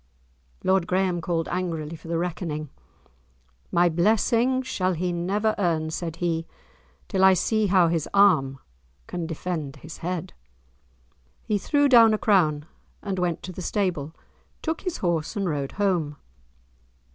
Lord Graeme called angrily for the reckoning. "My blessing shall he never earn," said he, "till I see how his arm can defend his head." He threw down a crown, and went to the stable, took his horse, and rode home.